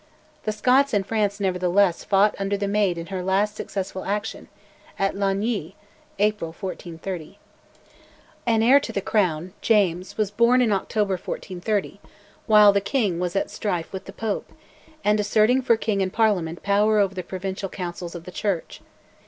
The Scots in France, nevertheless, fought under the Maid in her last successful action, at Lagny (April 1430). An heir to the Crown, James, was born in October 1430, while the King was at strife with the Pope, and asserting for King and Parliament power over the Provincial Councils of the Church.